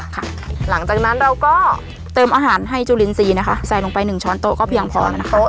หลังจากนั้นเราก็เติมอาหารให้จุลินทรีย์นะคะใส่ลงไปหนึ่งช้อนโต๊ะก็เพียงพอนะคะ